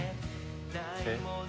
えっ？